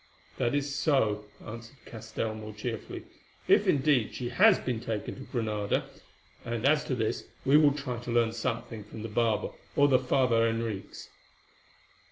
"That is so," answered Castell more cheerfully, "if, indeed, she has been taken to Granada; and as to this, we will try to learn something from the barber or the Father Henriques."